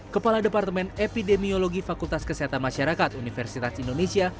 kepala departemen epidemiologi fakultas kesehatan masyarakat universitas indonesia